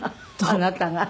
あなたが？